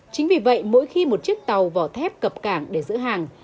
chính vì vậy mỗi khi một chiếc tàu vỏ thép cập cảng để giữ hàng